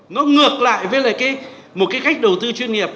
nó ngược lại với lại một cái cách đầu tư chuyên nghiệp